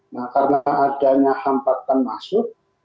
nah karena adanya hampat termasuk